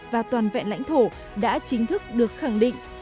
và toàn vẹn lãnh thổ đã chính thức được khẳng định